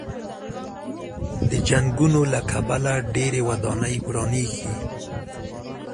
د جنګونو له کبله ډېرې ودانۍ ورانېږي.